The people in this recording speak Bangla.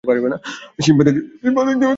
সিম্বা দেখতে পাচ্ছে!